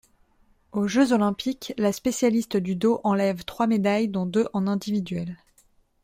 Aux Jeux olympiques, la spécialiste du dos enlève trois médailles dont deux en individuel.